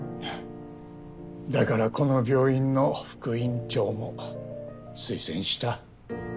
だからこの病院の副院長も推薦した。